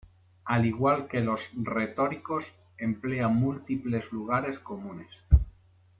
Al igual que los retóricos, emplea múltiples lugares comunes.